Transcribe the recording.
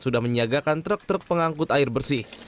sudah menyiagakan truk truk pengangkut air bersih